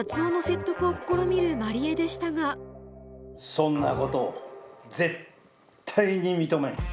そんなこと絶対に認めん。